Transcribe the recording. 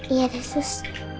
iya deh sus